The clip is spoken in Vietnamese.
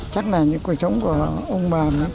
chắc là những cuộc sống của ông bà